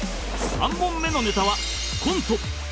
３本目のネタはコント